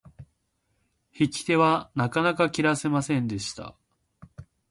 引き手はなかなか切らせませんでした。